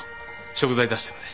食材出してくれ。